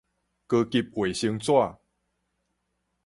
高級衛生紙